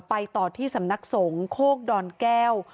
ไปต่อที่สำนักสงฆ์โคกดอนแก้ว